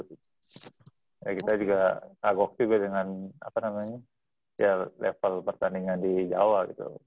ya kita juga kagok juga dengan apa namanya ya level pertandingan di jawa gitu